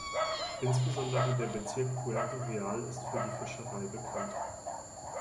Insbesondere der Bezirk Puerto Real ist für die Fischerei bekannt.